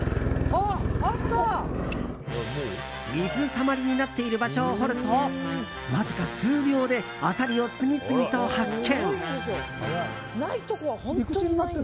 水たまりになっている場所を掘るとわずか数秒でアサリを次々と発見。